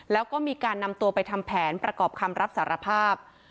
แล้วก็มีการนำตัวไปทำแผนประกอบคำรับสารภาพ